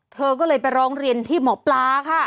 เธอก็เลยไปร้องเรียนที่หมอปลาค่ะ